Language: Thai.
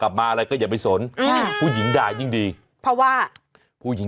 ฝึกบ่อยนะเดี๋ยวก็ชิน